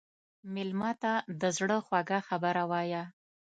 مېلمه ته د زړه خوږه خبره وایه.